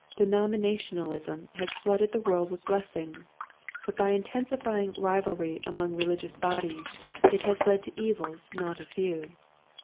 Denominationalism has flooded the world with blessings, but by intensifying rivalry among religious bodies it has led to evils not a few.